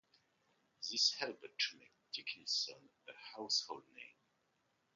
This helped to make Dickinson a household name.